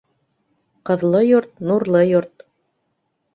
Ҡыҙлы йорт нурлы йорт.